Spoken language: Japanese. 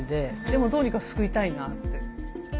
でもどうにか救いたいなって。